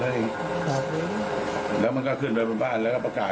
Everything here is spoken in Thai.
แน่จริงออกมาออกมาผมก็ออกมาครับผมก็กลับไป